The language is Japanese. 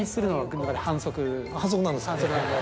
反則なんですか。